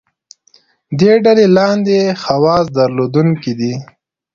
دې ډلې لاندې خواص درلودونکي دي.